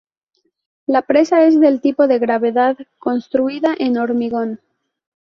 La presa es del tipo de gravedad, construida en hormigón.